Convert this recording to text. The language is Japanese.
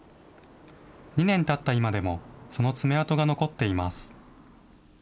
２年たった今でも、その爪痕が残っています。